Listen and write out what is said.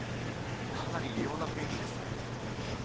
かなり異様な雰囲気ですね